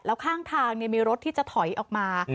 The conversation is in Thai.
แล้วข้างทางมีรถที่จะถอยออกมา